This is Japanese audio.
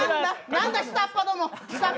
何だ、下っ端ども。